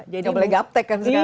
tidak boleh gap tech kan sekarang